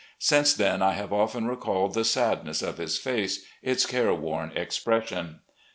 Since then I have often recalled the sadness of his face, its careworn expression.